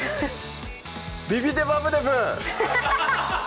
ビビデバブデブー！